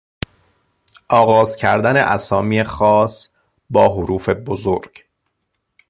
آغاز کردن اسامی خاص با حروف بزرگ